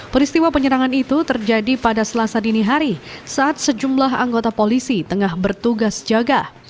peristiwa penyerangan itu terjadi pada selasa dini hari saat sejumlah anggota polisi tengah bertugas jaga